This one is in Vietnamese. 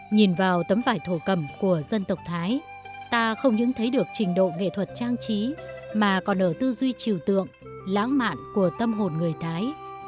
nhìn vào tấm vải thổ cầm của dân tộc thái ta không những thấy được trình độ nghệ thuật trang trí mà còn ở tư duy chiều tượng lãng mạn của tâm hồn người thái